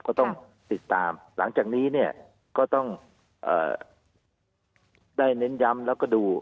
ก็ต้องติดตามหลังจากนี้เนี่ยก็ต้องได้เน้นย้ำแล้วก็ดู